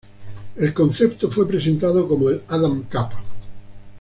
El concepto fue presentado como el Adam Cup.